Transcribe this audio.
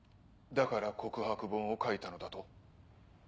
だから告白本を書いたのだと？